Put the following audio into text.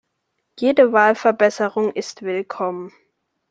Jede Wahlverbesserung ist willkommen.